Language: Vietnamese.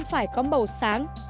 phải có màu sáng